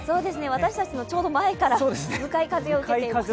私たちのちょうど前から向かい風を受けています。